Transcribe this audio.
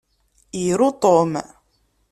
Iru Tom.